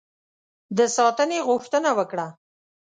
د ساتنې غوښتنه وکړه.